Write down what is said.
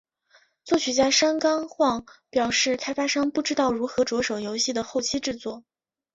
作曲家山冈晃表示开发商不知道如何着手游戏的后期制作。